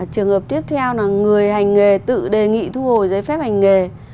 trường hợp tiếp theo là người hành nghề tự đề nghị thu hồi giấy phép hành nghề